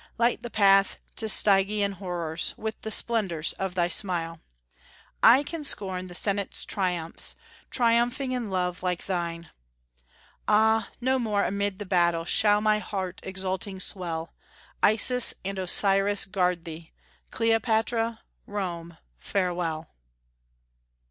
Light the path to Stygian horrors With the splendors of thy smile I can scorn the Senate's triumphs, Triumphing in love like thine. Ah! no more amid the battle Shall my heart exulting swell: Isis and Osiris guard thee! Cleopatra Rome farewell!